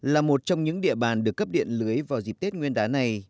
là một trong những địa bàn được cấp điện lưới vào dịp tết nguyên đá này